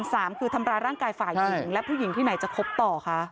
สามคือทำร้ายร่างกายฝ่ายหญิงและผู้หญิงที่ไหนจะคบต่อคะ